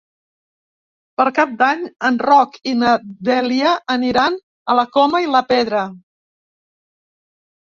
Per Cap d'Any en Roc i na Dèlia aniran a la Coma i la Pedra.